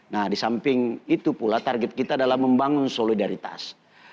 nah disamping itu pula target kita adalah membangun solidaritas